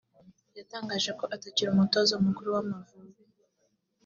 yatangaje ko atakiri umutoza mukuru w’Amavubi